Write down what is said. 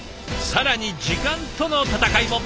更に時間との戦いも。